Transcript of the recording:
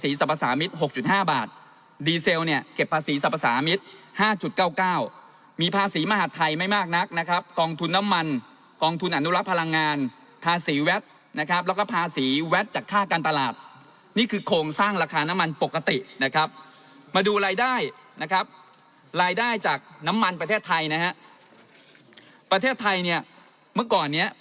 สรรพสามิตร๖๕บาทดีเซลเนี่ยเก็บภาษีสรรพสามิตรห้าจุดเก้าเก้ามีภาษีมหาดไทยไม่มากนักนะครับกองทุนน้ำมันกองทุนอนุรักษ์พลังงานภาษีแวดนะครับแล้วก็ภาษีแวดจากค่าการตลาดนี่คือโครงสร้างราคาน้ำมันปกตินะครับมาดูรายได้นะครับรายได้จากน้ำมันประเทศไทยนะฮะประเทศไทยเนี่ยเมื่อก่อนเนี้ย